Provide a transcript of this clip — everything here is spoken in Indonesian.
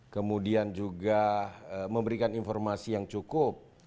kemudian juga memberikan informasi yang cukup